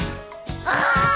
ああ！